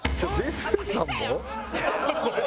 ちょっとこれ。